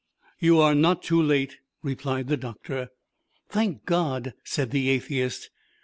"You are not too late," replied the doctor. "Thank God!" said the atheist.